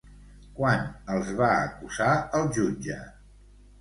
Quan els va acusar el jutge?